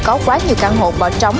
có quá nhiều căn hộ bỏ trống